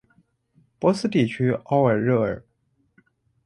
博斯地区奥尔热尔。